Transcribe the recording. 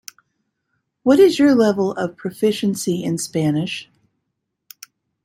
What is your level of proficiency in Spanish?